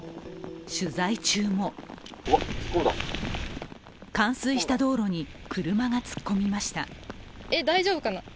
取材中も冠水した道路に車が突っ込みました。